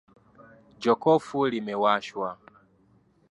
Jokofu limewashwa.